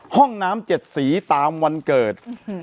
ห้องน้ำ๗สีตามวันเกิด